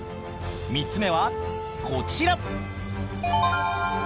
３つ目はこちら！